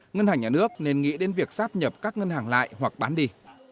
ngân hàng nhà nước nên nghĩ đến việc sáp nhập các ngân hàng lại hoặc bán đi